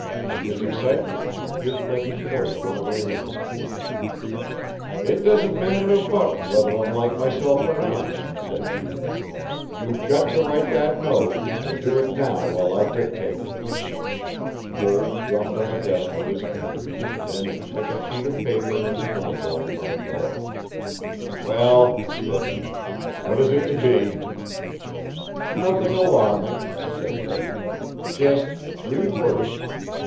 In his excitement he had let his voice run away with him. "It doesn't matter a button whether I'm like myself or not," said he, "you've got to write that note, and do it now while I dictate." Voles drummed on the desk with his fingers, then he took a sheet of paper and an envelope from a drawer. "Well," said he, "what is it to be?" "Nothing alarming," said the other. "Just three words.